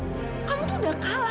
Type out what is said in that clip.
kamu tuh udah kalah